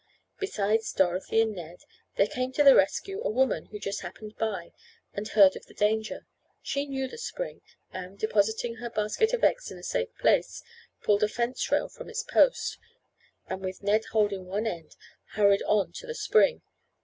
Besides Dorothy and Ned, there came to the rescue a woman, who just happened by and heard of the danger. She knew the spring, and, depositing her basket of eggs in a safe place, pulled a fence rail from its post, and with Ned holding one end hurried on to the spring.